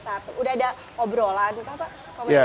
sudah ada obrolan atau apa